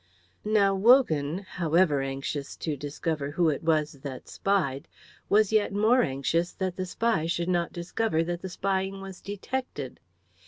Now Wogan, however anxious to discover who it was that spied, was yet more anxious that the spy should not discover that the spying was detected.